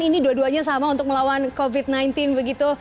ini dua duanya sama untuk melawan covid sembilan belas begitu